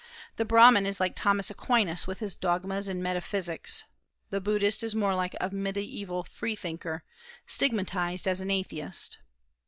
The Brahman is like Thomas Aquinas with his dogmas and metaphysics; the Buddhist is more like a mediaeval freethinker, stigmatized as an atheist.